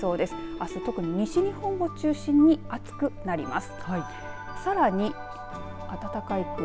あす特に西日本を中心に暑くなります。